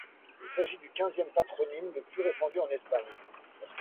Il s'agit du quinzième patronyme le plus répandu en Espagne.